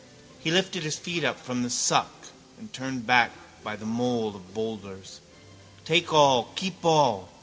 He lifted his feet up from the suck and turned back by the mole of boulders. Take all, keep all.